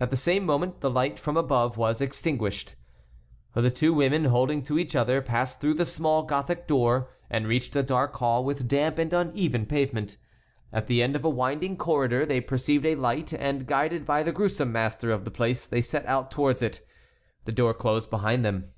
At the same moment the light from above was extinguished. The two women, holding to each other, passed through the small gothic door, and reached a dark hall with damp and uneven pavement. At the end of a winding corridor they perceived a light and guided by the gruesome master of the place they set out towards it. The door closed behind them.